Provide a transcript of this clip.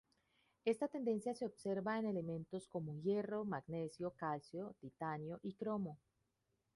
Esta tendencia se observa en elementos como hierro, magnesio, calcio, titanio y cromo.